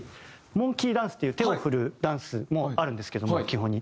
モンキーダンスっていう手を振るダンスもあるんですけども基本に。